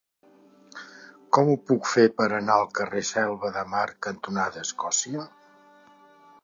Com ho puc fer per anar al carrer Selva de Mar cantonada Escòcia?